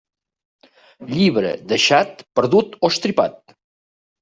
Llibre deixat, perdut o estripat.